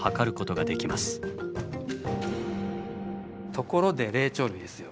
ところで霊長類ですよ。